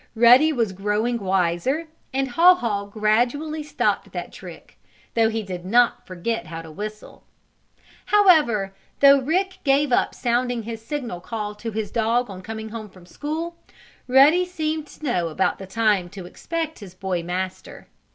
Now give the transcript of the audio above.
Ruddy was growing wiser and Haw Haw gradually stopped that trick, though he did not forget how to whistle. However, though Rick gave up sounding his signal call to his dog on coming from school, Ruddy seemed to know about the time to expect his boy master.